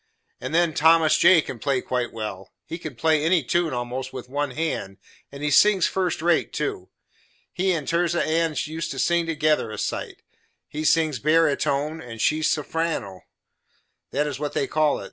And then Thomas J. can play quite well; he can play any tune, almost, with one hand, and he sings first rate, too. He and Tirzah Ann used to sing together a sight; he sings bearatone, and she sulfireno that is what they call it.